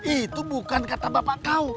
itu bukan kata bapak kau